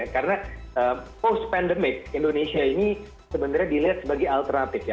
karena post pandemic indonesia ini sebenarnya dilihat sebagai alternatif